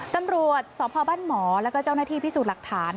ตำรวจสพบ้านหมอแล้วก็เจ้าหน้าที่พิสูจน์หลักฐาน